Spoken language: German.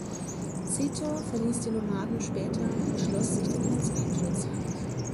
Zito verließ die Nomaden später und schloss sich den Hells Angels an.